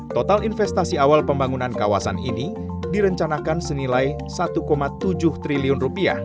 total investasi awal pembangunan kawasan ini direncanakan senilai rp satu tujuh triliun